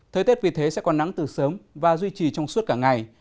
thời tiết vì thế sẽ còn nắng từ sớm và duy trì trong suốt cả ngày